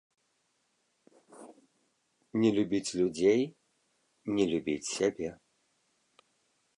Не любіць людзей, не любіць сябе.